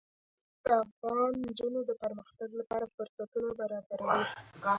نفت د افغان نجونو د پرمختګ لپاره فرصتونه برابروي.